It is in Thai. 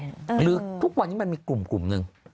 หรือทุกวันนี้มันมีกลุ่มหนึ่ง